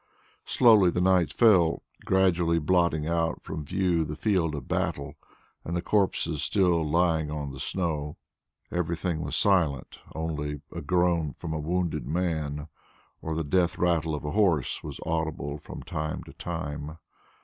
Slowly the night fell, gradually blotting out from view the field of battle, and the corpses still lying on the snow. Everything was silent; only a groan from a wounded man or the death rattle of a horse was audible from time to time.